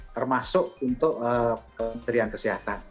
termasuk untuk kementerian kesehatan